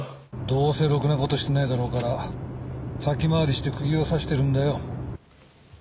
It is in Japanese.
どうせろくな事してないだろうから先回りして釘を刺してるんだよ。